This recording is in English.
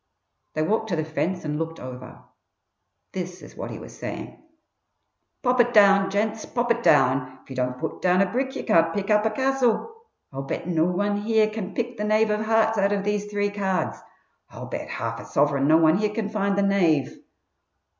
They walked to the fence and looked over. This is what he was saying: "Pop it down, gents! Pop it down! If you don't put down a brick you can't pick up a castle! I'll bet no one here can pick the knave of hearts out of these three cards. I'll bet half a sovereign no one here can find the knave!"